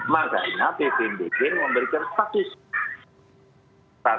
makanya pvmbg memberikan status